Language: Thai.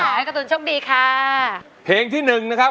การ์ตูนโชคดีค่ะ